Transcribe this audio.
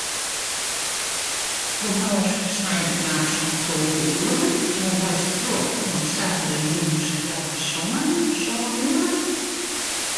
Begûnst sneintenachts om tolve oere en giest troch oant saterdeitejûns healwei sânen, sân oere.